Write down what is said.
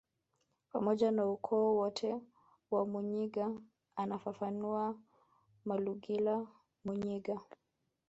pamoja na ukoo wote wa muyinga anafafanua Malugila Muyinga